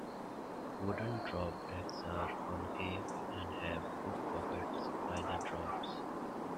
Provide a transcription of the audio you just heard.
Wooden drop decks are concave and have foot pockets by the drops.